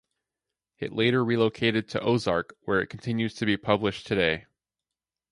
It later relocated to Ozark, where it continues to be published today.